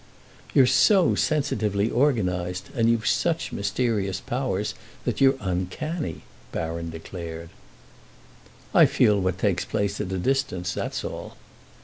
"You're so sensitively organised and you've such mysterious powers that you re uncanny," Baron declared. "I feel what takes place at a distance; that's all."